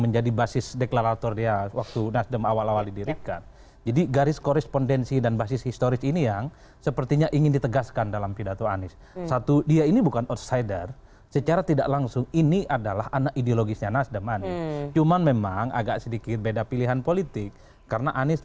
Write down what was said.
janji dimodalin tidak dimodalin